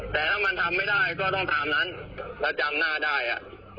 แต่ถ้ามันทำไม่ได้ก็ต้องตามนั้นแล้วจำหน้าได้อ่ะ